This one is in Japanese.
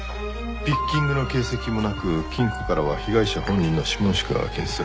ピッキングの形跡もなく金庫からは被害者本人の指紋しか検出されてない。